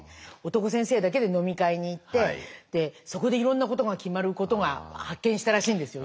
男先生だけで飲み会に行ってそこでいろんなことが決まることが発見したらしいんですよ